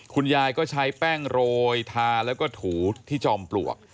คุณยายก็ใช้แป้งโรยทาแล้วก็ถูที่จอมปลวก